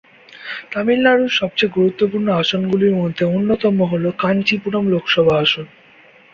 তামিলনাড়ুর সবচেয়ে গুরুত্বপূর্ণ আসনগুলির মধ্যে অন্যতম হল কাঞ্চীপুরম লোকসভা আসন।